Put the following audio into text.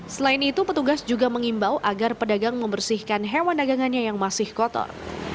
selain itu petugas juga mengimbau agar pedagang membersihkan hewan dagangannya yang masih kotor